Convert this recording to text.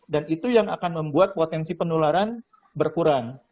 dan itu yang akan membuat potensi penularan berkurang